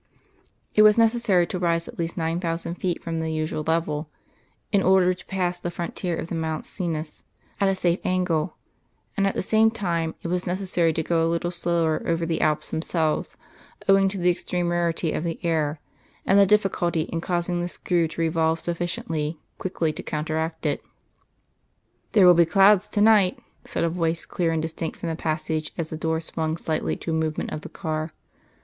It was necessary to rise at least nine thousand feet from the usual level, in order to pass the frontier of the Mont Cenis at a safe angle; and at the same time it was necessary to go a little slower over the Alps themselves, owing to the extreme rarity of the air, and the difficulty in causing the screw to revolve sufficiently quickly to counteract it. "There will be clouds to night," said a voice clear and distinct from the passage, as the door swung slightly to a movement of the car.